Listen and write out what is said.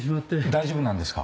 大丈夫なんですか？